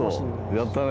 やったね。